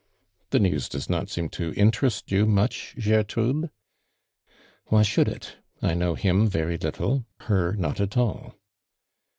"Tho news does not seem to interest you much, Gertrude." " Why should it ? I know him very little ; her, not at all!"